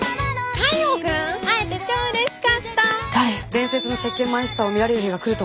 伝説の石けんマイスターを見られる日が来るとは。